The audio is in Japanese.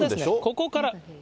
ここから。